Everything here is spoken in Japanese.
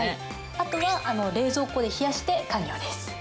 あとは冷蔵庫で冷やして完了です。